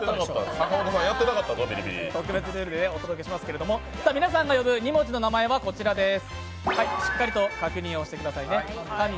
特別ルールでお届けしますけど、皆さんの呼ぶ２文字の名前はこちらです。